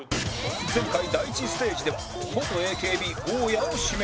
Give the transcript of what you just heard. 前回第１ステージでは元 ＡＫＢ 大家を指名